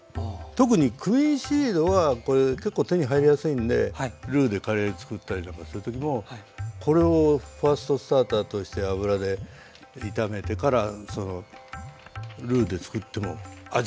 特にクミンシードはこれ結構手に入りやすいんでルーでカレーつくったりとかする時もこれをファーストスターターとして油で炒めてからそのルーでつくっても味がまた変わります。